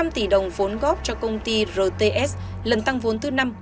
bốn trăm linh tỷ đồng vốn góp cho công ty rts lần tăng vốn thứ năm